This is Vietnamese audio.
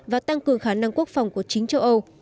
và tăng cường khả năng quốc phòng của chính châu âu